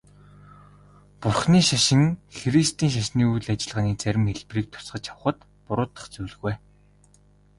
Бурханы шашин христийн шашны үйл ажиллагааны зарим хэлбэрийг тусгаж авахад буруудах зүйлгүй.